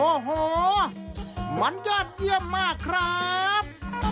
โอ้โหมันยอดเยี่ยมมากครับ